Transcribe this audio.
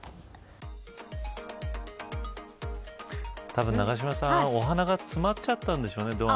たぶん、永島さん、お花が詰まっちゃったんでしょうね。